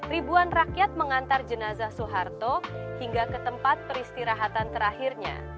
ribuan rakyat mengantar jenazah soeharto hingga ke tempat peristirahatan terakhirnya